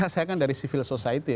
saya kan dari civil society